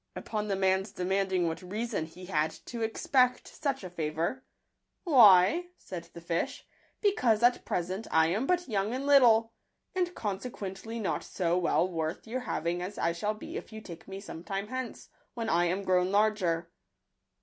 Upon the man's demanding what reason he had to expect such a fa vour " Why," said the fish, (e because at present I am but young and little, and con sequently not so well worth your having as I shall be if you take me some time hence, when I am grown larger."